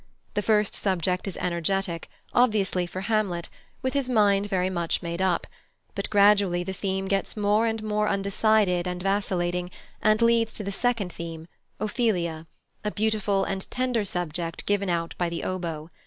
The first subject is energetic, obviously for Hamlet, with his mind very much made up; but gradually the theme gets more and more undecided and vacillating, and leads to the second theme, Ophelia, a beautiful and tender subject given out by the oboe.